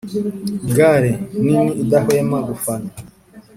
gales nini idahwema gufana,